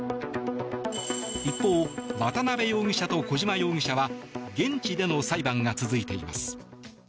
一方、渡邉容疑者と小島容疑者は現地での裁判が続いています。